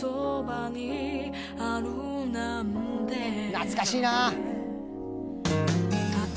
懐かしいな。